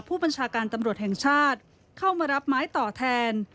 ผู้บัญชาการตำรวจแห่งชาติเข้ามารับไม้ต่อแทน